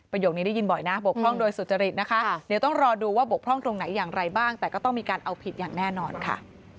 นี้ได้ยินบ่อยนะบกพร่องโดยสุจริตนะคะเดี๋ยวต้องรอดูว่าบกพร่องตรงไหนอย่างไรบ้างแต่ก็ต้องมีการเอาผิดอย่างแน่นอนค่ะ